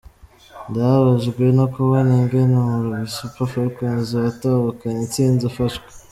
"Ndababajwe no kubona ingene umurwi Super Falcons watahukanye intsinzi ufashwe.